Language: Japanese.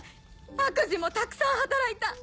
悪事もたくさん働いた！